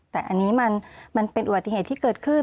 แต่อันนี้มันเป็นอุบัติเหตุที่เกิดขึ้น